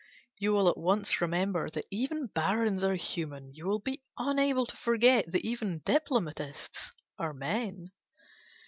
You will at once remember that even barons are human, you will be unable to forget that even diplomatists are men.